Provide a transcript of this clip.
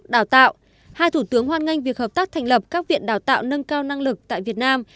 đào tạo hai thủ tướng hoan nghênh việc hợp tác thành lập các viện đào tạo nâng cao năng lực tại việt nam